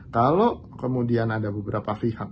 kalau kemudian ada beberapa pihak